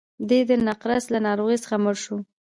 دی د نقرس له ناروغۍ څخه مړ شو.